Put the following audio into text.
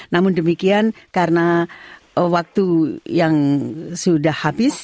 namun demikian karena waktu yang sudah habis